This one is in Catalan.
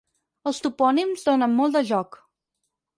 Els topònims donen molt de joc.